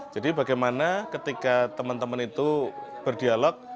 jadi bagaimana ketika teman teman itu berdialog